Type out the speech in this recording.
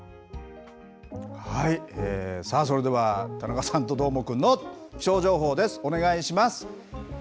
さあそれでは田中さんとどーもくんの気象情報です、お願いします。